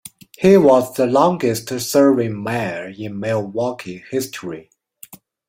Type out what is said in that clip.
He was the longest serving mayor in Milwaukee history.